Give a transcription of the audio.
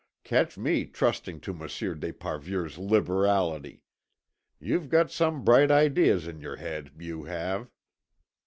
Catch me trusting to Monsieur d'Esparvieu's liberality! You've got some bright ideas in your head, you have!"